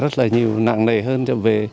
rất là nhiều nặng nề hơn về